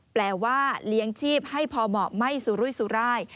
แปลว่าเลี้ยงชีพให้พอเหมาะไม่สุรุยสุราย